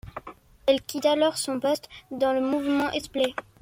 Elle quitte alors son poste dans le mouvement Esplai.